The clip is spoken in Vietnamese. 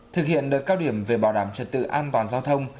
thực hiện đợt cao điểm về bảo đảm trật tự an toàn giao thông